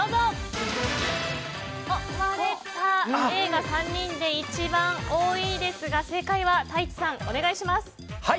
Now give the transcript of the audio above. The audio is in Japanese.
Ａが３人で一番多いですが正解は、タイチさんお願いします。